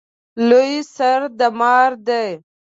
لوی سر د مار دی